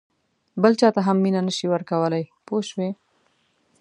بل چاته هم مینه نه شې ورکولای پوه شوې!.